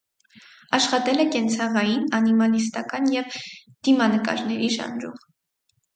Աշխատել է կենցաղային, անիմալիստական և դիմանկարների ժանրում։